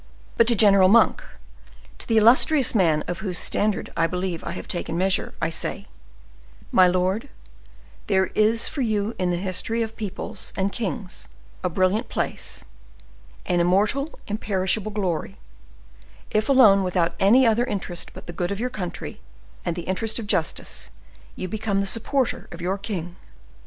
But to General Monk, to the illustrious man of whose standard I believe I have taken measure, I say: 'My lord, there is for you in the history of peoples and kings a brilliant place, an immortal, imperishable glory, if alone, without any other interest but the good of your country and the interests of justice, you become the supporter of your king.